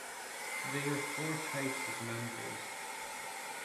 They are four types of members.